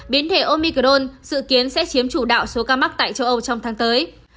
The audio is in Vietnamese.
biến thể omicron dự kiến sẽ chiếm chủ đạo số ca mắc tại châu âu trong tháng tới